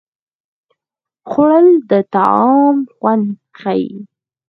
خوړل د طعام خوند ښيي